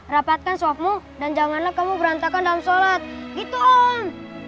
rapatkan suapmu dan janganlah kamu berantakan dalam sholat gitu om